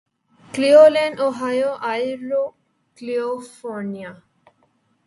Cleveland Ohio Aruvi California